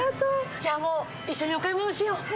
じゃあもう一緒にお買い物しよう。